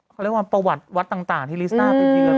เขาเรียกว่าประหวัดวัดต่างที่ลิซ่าไปเยือน